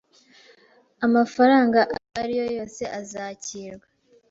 Amafaranga ayo ari yo yose azakirwa